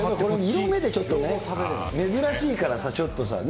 色目で、ちょっと珍しいからさ、ちょっとさ。